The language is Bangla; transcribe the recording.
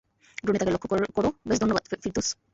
ড্রোনে তাকে লক্ষ করো ব্যাস ধন্যবাদ, ফিরদৌস।